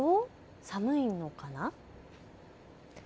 寒いのかな。